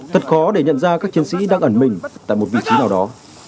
thật khó để nhận ra các chiến sĩ đang ẩn mình tại một vị trí nào đó